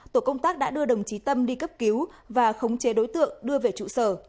tổ công tác đã đưa đồng chí tâm đi cấp cứu và khống chế đối tượng đưa về trụ sở